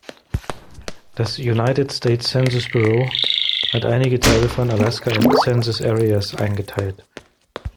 Das United States Census Bureau hat einige Teile von Alaska in "Census Areas" eingeteilt.